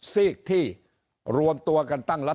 ซีกที่รวมตัวกันตั้งรัฐ